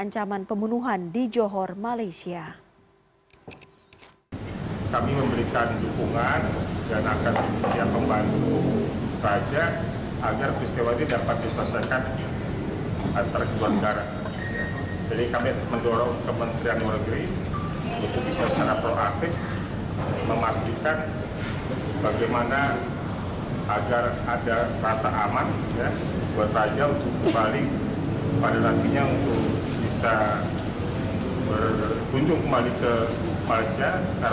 karena agar ada rasa aman ya buat raja untuk kembali pada latinya untuk bisa berkunjung kembali ke malaysia